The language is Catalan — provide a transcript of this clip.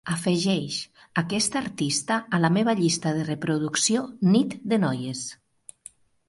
afegeix aquest artista a la meva llista de reproducció Nit de noies